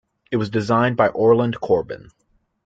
It was designed by Orland Corben.